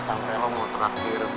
sampe lo mau terakhir gue